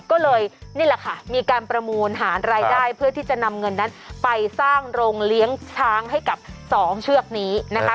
ก็เลยนี่แหละค่ะมีการประมูลหารายได้เพื่อที่จะนำเงินนั้นไปสร้างโรงเลี้ยงช้างให้กับสองเชือกนี้นะคะ